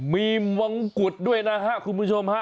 มีมงกุฎด้วยนะฮะคุณผู้ชมฮะ